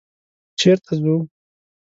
_چېرته ځو؟